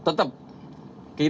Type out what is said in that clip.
apakah ada pengurangan timnya lagi